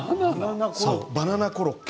バナナコロッケ。